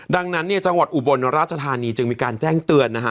ดังนั้นเนี่ยจังหวัดอุบลราชธานีจึงมีการแจ้งเตือนนะฮะ